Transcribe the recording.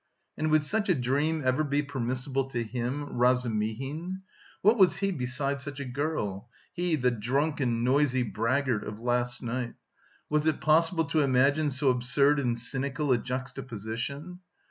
And would such a dream ever be permissible to him, Razumihin? What was he beside such a girl he, the drunken noisy braggart of last night? Was it possible to imagine so absurd and cynical a juxtaposition?